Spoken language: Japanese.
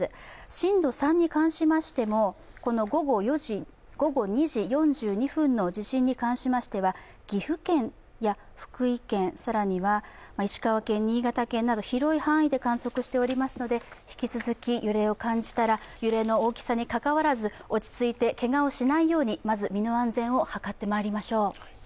震度３に関しましても、午後２時４２分の地震に関しましては岐阜県や福井県、更には石川県、新潟県など広い範囲で観測しておりますので、引き続き揺れを感じたら、揺れの大きさにかかわらず落ち着いてけがをしないようにまず身の安全を図っていきましょう。